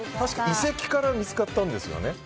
遺跡から見つかったんですよね